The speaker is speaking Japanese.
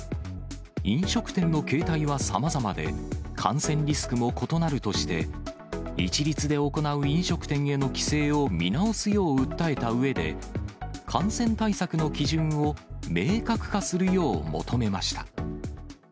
飲食店の形態はさまざまで、感染リスクも異なるとして、一律で行う飲食店への規制を見直すよう訴えたうえで、感染対策の基準を明確化するよう求めました。